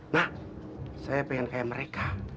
nak saya pengen kayak mereka